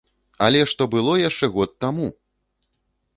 Але што было яшчэ год таму!